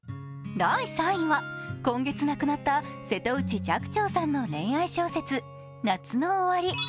第３位は、今月亡くなった瀬戸内寂聴さんの恋愛小説、「夏の終り」。